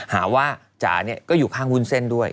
หาว่าจ๋าก็อยู่ข้างวุ้นเส้นด้วย